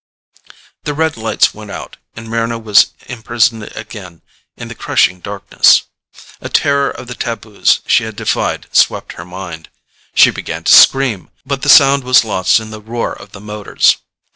The red lights went out and Mryna was imprisoned again in the crushing darkness. A terror of the taboos she had defied swept her mind. She began to scream, but the sound was lost in the roar of the motors.